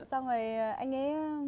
xong rồi anh ấy